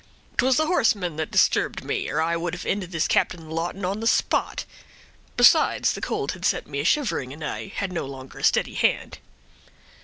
"'Twas the horseman that disturbed me, or I would have ended this Captain Lawton on the spot; besides, the cold had set me a shivering, and I had no longer a steady hand."